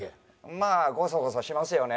まあゴソゴソしますよね。